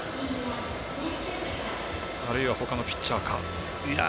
あるいは他のピッチャーか。